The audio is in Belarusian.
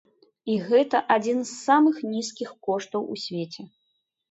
І гэта адзін з самых нізкіх коштаў у свеце.